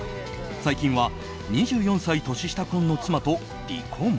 最近は２４歳年下婚の妻と離婚。